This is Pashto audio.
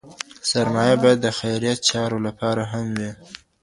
سرمایه باید د خیریه چارو لپاره هم وي.